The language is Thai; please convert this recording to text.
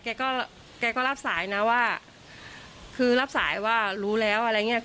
แกก็แกก็รับสายนะว่าคือรับสายว่ารู้แล้วอะไรอย่างเงี้